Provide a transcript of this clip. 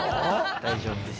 大丈夫です。